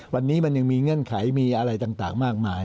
วันนี้มันยังมีเงื่อนไขมีอะไรต่างมากมาย